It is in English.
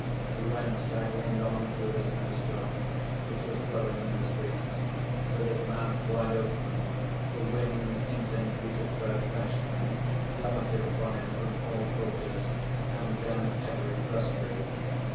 He went staggering on through the snow storm, which was blowing in the streets, with his mouth wide open; the wind, in St. Petersburg fashion, darted upon him from all quarters, and down every cross street.